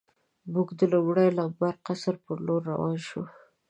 موږ د لومړي لمبر قصر په لور روان شو.